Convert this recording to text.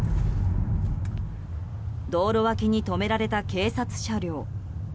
道路脇に止められた警察車両。